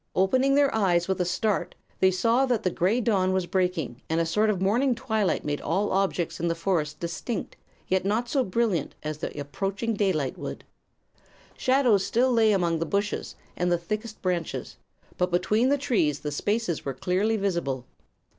Opening their eyes with a start they saw that the gray dawn was breaking and a sort of morning twilight made all objects in the forest distinct, yet not so brilliant as the approaching daylight would. Shadows still lay among the bushes and the thickest branches; but between the trees the spaces were clearly visible.